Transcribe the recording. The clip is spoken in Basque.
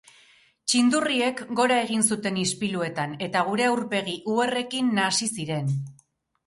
Txindurriek gora egin zuten ispiluetan, eta gure aurpegi uherrekin nahasi ziren.